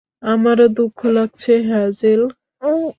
আমারও দুঃখ লাগছে, হ্যাজেল।